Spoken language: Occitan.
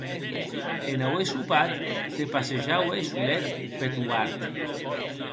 En auer sopat, se passejaue solet peth uart.